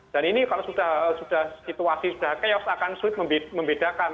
dan ini kalau sudah situasi sudah chaos akan sulit membedakan